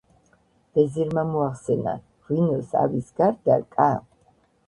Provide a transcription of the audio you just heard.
ვეზირმა მოახსენა: ღვინოს, ავის გარდა, კა